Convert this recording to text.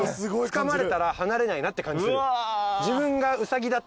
つかまれたら離れないなって感じする。